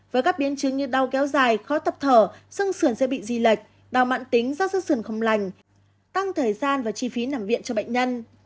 với các biến chứng như đau kéo dài khó tập thở sừng sườn sẽ bị di lệch đau mạn tính rác sừng sườn không lành tăng thời gian và chi phí nằm viện cho bệnh nhân